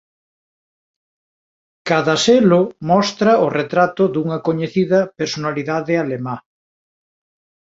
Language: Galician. Cada selo mostra o retrato dunha coñecida personalidade alemá.